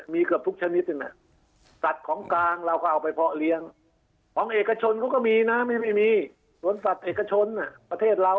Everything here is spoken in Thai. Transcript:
มีเกือบทุกชนิดหนึ่งสัตว์ของกลางเราก็เอาไปเพาะเลี้ยงของเอกชนเขาก็มีนะไม่มีสวนสัตว์เอกชนประเทศเรา